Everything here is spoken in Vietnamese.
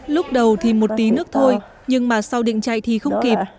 lúc đầu thì một tí nước thôi nhưng mà sau định chạy thì không kịp